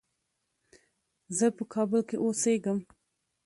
زه په کابل کې اوسېږم.